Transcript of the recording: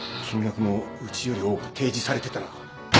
金額もうちより多く提示されてたら。